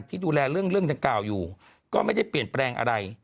ที่ดูแลเรื่องดังกล่าวอยู่ก็ไม่ได้เปลี่ยนแปลงอะไร